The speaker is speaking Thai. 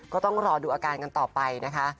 ก็ต้องรอดูอาการกันต่อไปนะคะ